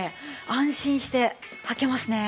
安心してはけますね。